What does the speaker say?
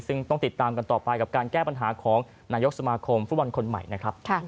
ซึ่งต้องติดตามกันต่อไปกับการแก้ปัญหาของนายกสมาคมฟุตบอลคนใหม่นะครับ